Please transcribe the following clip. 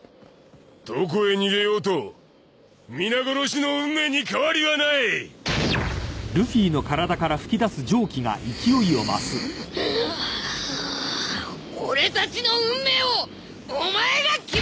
どこへ逃げようと皆殺しの運命に変わりはない俺たちの運命をお前が決めんなーっ！